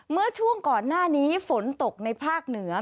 เมื่อช่วงก่อนหน้านี้ฝนตกในภาคเหนือ